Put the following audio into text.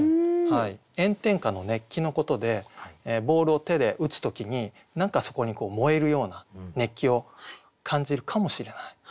炎天下の熱気のことでボールを手で打つ時に何かそこに燃えるような熱気を感じるかもしれない。